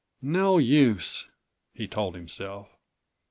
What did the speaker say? "No use," he told himself.